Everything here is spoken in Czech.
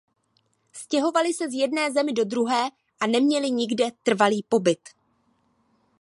Stěhovali se z jedné zemi do druhé a neměli nikde trvalý pobyt.